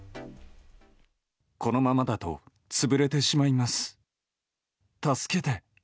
このままだと潰れてしまいます。